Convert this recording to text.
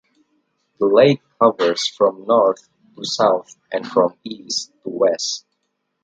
The lake covers from north to south and from east to west.